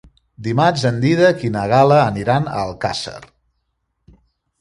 Dimarts en Dídac i na Gal·la aniran a Alcàsser.